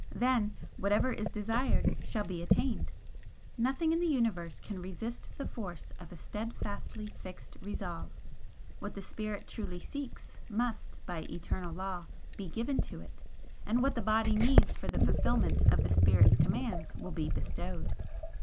Then, whatever is desired shall be attained. Nothing in the Universe can resist the force of a steadfastly fixed resolve; what the Spirit truly seeks must, by eternal law, be given to it, and what the body needs for the fulfilment of the Spirit's commands will be bestowed.